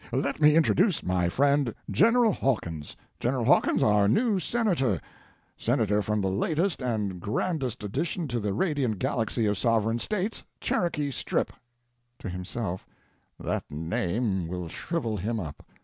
Let me introduce my friend General Hawkins—General Hawkins, our new Senator—Senator from the latest and grandest addition to the radiant galaxy of sovereign States, Cherokee Strip"—(to himself, "that name will shrivel him up!"